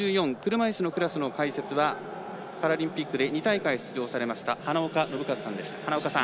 車いすのクラスの解説はパラリンピックで２大会出場されました花岡伸和さんでした。